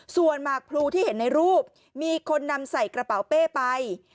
ส่วนหมากพลูที่เห็นในรูปมีคนนำใส่กระเป๋าเป้ไป